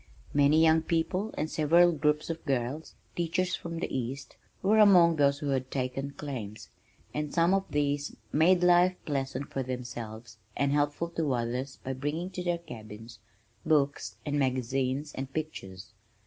Many young people and several groups of girls (teachers from the east) were among those who had taken claims, and some of these made life pleasant for themselves and helpful to others by bringing to their cabins, books and magazines and pictures.